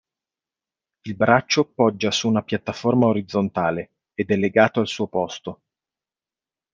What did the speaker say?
Il braccio poggia su una piattaforma orizzontale, ed è legato al suo posto.